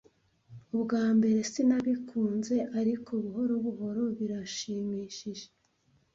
Ubwa mbere, sinabikunze, ariko buhoro buhoro birashimishije.